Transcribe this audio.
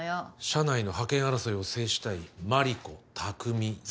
社内の覇権争いを制したい真梨子拓未雪乃。